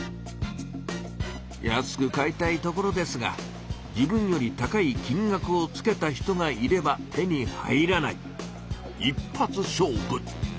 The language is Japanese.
安く買いたいところですが自分より高い金額をつけた人がいれば手に入らない一発勝負。